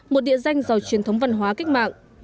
một địa danh giàu truyền thống văn hóa cách mạng